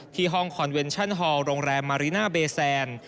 ห้องคอนเวนชั่นฮอลโรงแรมมาริน่าเบแซน